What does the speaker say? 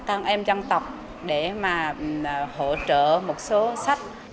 con em dân tộc để mà hỗ trợ một số sách